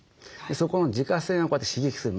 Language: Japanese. そこの耳下腺をこうやって刺激する。